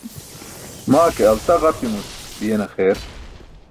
Maa ke alta ġapimuc biyena xeer.